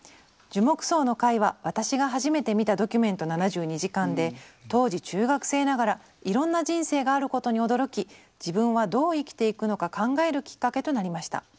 「樹木葬の回は私が初めて見た『ドキュメント７２時間』で当時中学生ながらいろんな人生があることに驚き自分はどう生きていくのか考えるきっかけとなりました」。